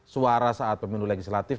suara saat pemilu legislatif